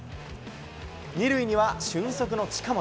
２塁には俊足の近本。